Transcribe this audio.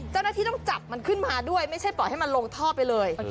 เจ้าหน้าที่ต้องจับมันขึ้นมาด้วยไม่ใช่ปล่อยให้มันลงท่อไปเลย